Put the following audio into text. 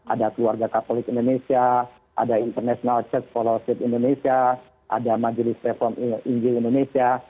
ada keluarga katolik indonesia ada international church fellowship indonesia ada majelis reform injil indonesia